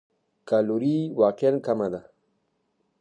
کالوري یې واقعاً کمه ده.